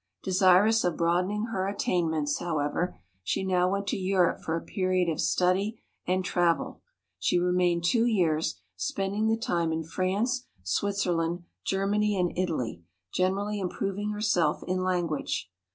Desirous of broadening her attainments, however, she now went to Europe for a period of study and travel. She remained two years, spending the time in France, Switzerland, Germany, and Italy, generally improving herself in language.